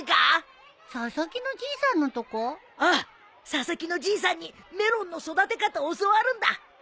佐々木のじいさんにメロンの育て方教わるんだ。